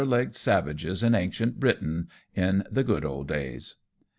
legged savages in ancient Briton, in the good old days."